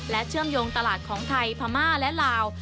เชื่อมโยงตลาดของไทยพม่าและลาว